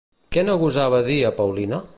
Què no gosava dir a Paulina?